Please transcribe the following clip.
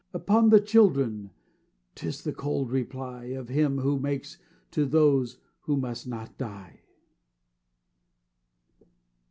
"Upon the children!" 'Tis the cold reply Of Him who makes to those who must not die.